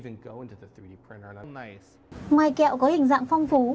ngoài kẹo có hình dạng phong phú